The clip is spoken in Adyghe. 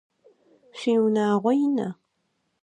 Шъуиунагъо ина?